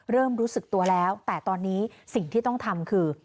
เริ่มรู้สึกตัวแล้วแต่ตอนนี้สิ่งที่ต้องทำคือ